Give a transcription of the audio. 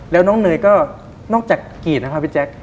แล้วน้องเนยก็นอกจากกรีดนะคะพี่แจ๊ค